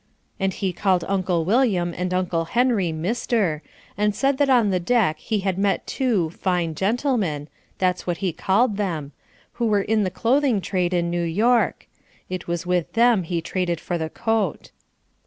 And he called Uncle William and Uncle Henry "Mister," and said that on the deck he had met two "fine gentlemen," (that's what he called them), who are in the clothing trade in New York. It was with them he traded for the coat.